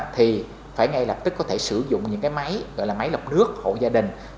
thì phải ngay lập tức có thể sử dụng những cái máy gọi là máy lọc nước hộ gia đình